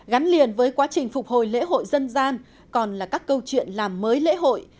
gắn liền với quá trình phục hồi lễ hội dân gian còn là các câu chuyện làm mới lễ hội